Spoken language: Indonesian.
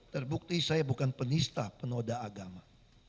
terbukti saya bukan penista penoda agama